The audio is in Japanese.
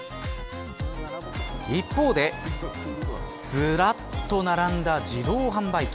一方でずらっと並んだ自動販売機。